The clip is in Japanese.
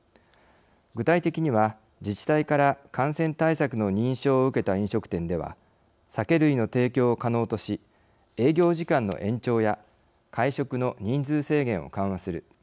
具体的には、自治体から感染対策の認証を受けた飲食店では酒類の提供を可能とし営業時間の延長や会食の人数制限を緩和する。